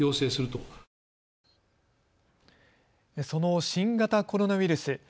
その、新型コロナウイルス。